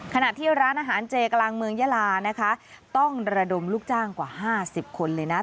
ขณะที่ร้านอาหารเจกลางเมืองยาลานะคะต้องระดมลูกจ้างกว่า๕๐คนเลยนะ